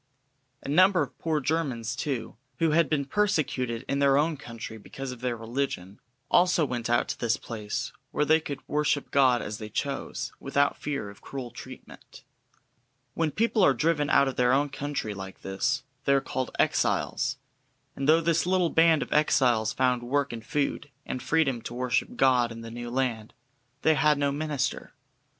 A number of poor Germans, too, who had been persecuted in their own country because of their religion, also went out to this place where they could worship God as they chose, without fear of cruel treatment. When people are driven out of their own country like this, they are called "exiles," and though this little band of exiles found work and food, and freedom to worship God in the new land, they had no minister.